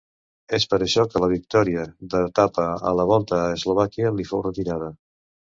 És per això que la victòria d'etapa a la Volta a Eslovàquia li fou retirada.